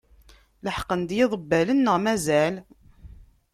Leḥqen-d yiḍebbalen, neɣ mazal?